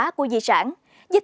lịch sử của đất nước